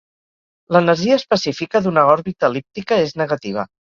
L'energia específica d'una òrbita el·líptica és negativa.